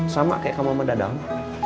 sama kayak kamu sama dadam